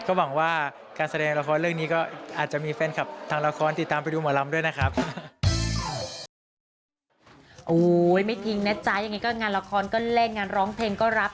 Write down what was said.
ก็หวังว่าการแสดงละครเรื่องนี้ก็อาจจะมีแฟนคลับทางละครติดตามไปดูหมอลำด้วยนะครับ